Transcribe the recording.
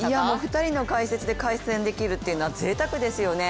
２人の解説で観戦できるというのはぜいたくですよね。